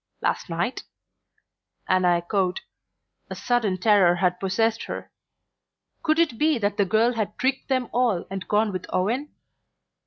"Last night?" Anna echoed. A sudden terror had possessed her. Could it be that the girl had tricked them all and gone with Owen?